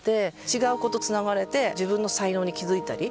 違う子とつながれて自分の才能に気付いたり。